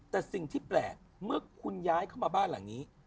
แต่สิ่งที่แปลกเมื่อคุณย้ายเข้ามาบ้านหลังนี้